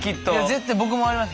絶対僕もあります。